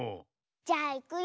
じゃあいくよ。